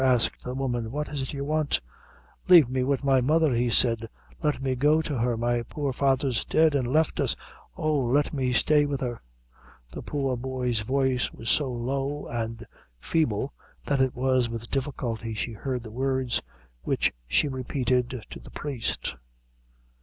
asked the woman; "what is it you want?" "Lave me wid my mother," he said; "let me go to her; my poor father's dead, an' left us oh! let me stay with her." The poor boy's voice was so low and feeble, that it was with difficulty she heard the words, which she repeated to the priest.